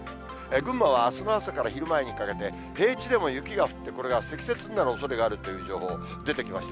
群馬はあすの朝から昼前にかけて、平地でも雪が降って、これが積雪になるおそれがあるという情報、出てきました。